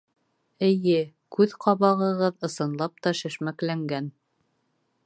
Эйе, күҙ ҡабағығыҙ ысынлап та шешмәкләнгән